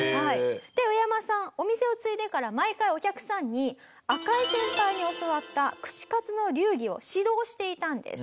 ウエヤマさんお店を継いでから毎回お客さんに赤井先輩に教わった串かつの流儀を指導していたんです。